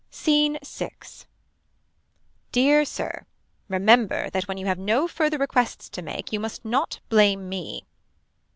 Scene 6. Dear Sir. Remember that when you have no further requests to make you must not blame me.